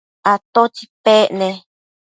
¿atótsi pec ne?